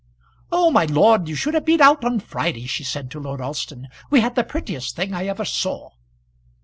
"Oh, my lord, you should have been out on Friday," she said to Lord Alston. "We had the prettiest thing I ever saw."